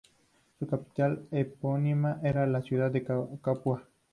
Su capital epónima era la ciudad de Capua.